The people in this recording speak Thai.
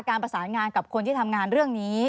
ประสานงานกับคนที่ทำงานเรื่องนี้